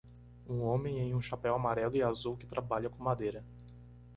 Um homem em um chapéu amarelo e azul que trabalha com madeira.